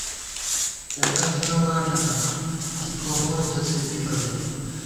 ہېڑہ تھنہ واٹَنہ ، کی کومول تہ سے بِبہ نئ